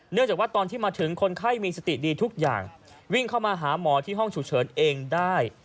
จากว่าตอนที่มาถึงคนไข้มีสติดีทุกอย่างวิ่งเข้ามาหาหมอที่ห้องฉุกเฉินเองได้